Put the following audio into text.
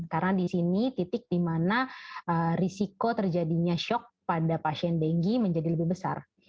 karena disini titik dimana risiko terjadinya shock pada pasien dengue menjadi lebih besar